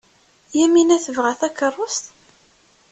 Yamina tebɣa takeṛṛust?